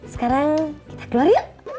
sekarang kita keluar yuk